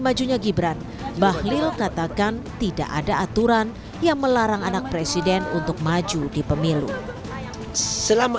majunya gibran bahlil katakan tidak ada aturan yang melarang anak presiden untuk maju di pemilu selama